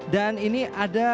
dan ini ada